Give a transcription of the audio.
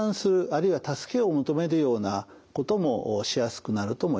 あるいは助けを求めるようなこともしやすくなると思います。